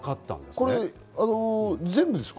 これ全部ですか？